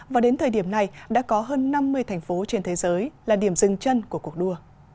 và đến thời điểm này đã có hơn năm mươi thành phố trên thế giới là điểm dừng chân của cuộc đua